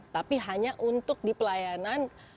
tapi hanya untuk di pelayanan